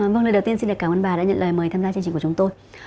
vâng lời đầu tiên xin cảm ơn bà đã nhận lời mời tham gia chương trình của chúng tôi